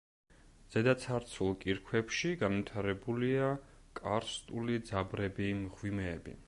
ზედაცარცულ კირქვებში განვითარებულია კარსტული ძაბრები, მღვიმეები.